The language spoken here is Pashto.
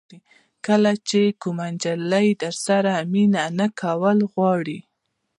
کله چې کومه جلۍ درسره مینه نه کول غواړي.